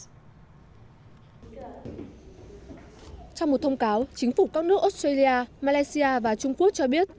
trong một thông cáo chính phủ các nước australia và trung quốc cho biết